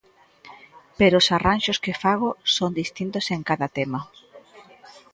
Pero os arranxos que fago son distintos en cada tema.